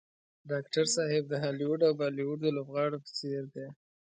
ډاکټر صاحب د هالیوډ او بالیوډ د لوبغاړو په څېر دی.